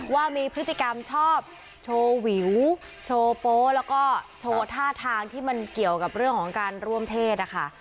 ว่ามีพฤติกรรมชอบโชว์วิวโชว์โป๊แล้วก็โชว์ท่าทางที่มันเกี่ยวกับเรื่องของการร่วมเพศนะคะ